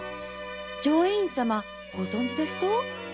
浄円院様ご存じですと？